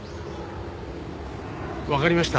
わかりました。